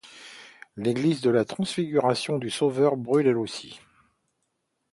L'église de la Transfiguration du Sauveur brûle elle aussi.